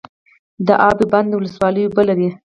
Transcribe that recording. د اب بند ولسوالۍ اوبه لري